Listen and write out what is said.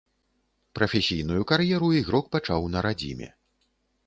Прафесійную кар'еру ігрок пачаў на радзіме.